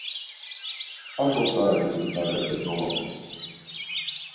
Aǩo ǩai ndğalepe domaves.